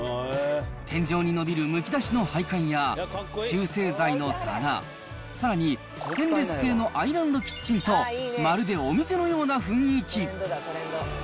天井に伸びるむき出しの配管や、集成材の棚、さらにステンレス製のアイランドキッチンと、まるでお店のような雰囲気。